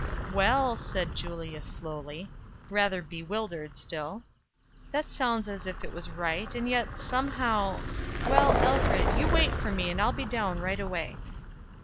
"Well," said Julia, slowly, rather bewildered still, "that sounds as if it was right; and yet, somehow . Well, Alfred, you wait for me, and I'll be down right away."